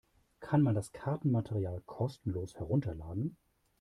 Kann man das Kartenmaterial kostenlos herunterladen?